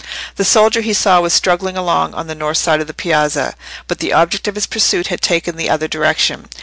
The soldier he saw was struggling along on the north side of the piazza, but the object of his pursuit had taken the other direction.